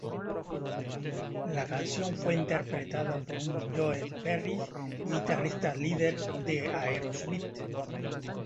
La canción fue interpretada por Joe Perry, guitarrista líder de Aerosmith.